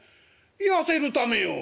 『痩せるためよ！』。